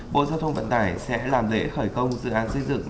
bộ giao thông vận tải sẽ làm lễ khởi công dự án xây dựng